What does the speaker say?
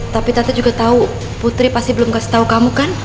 tapi tante juga tahu putri pasti belum kasih tahu kamu kan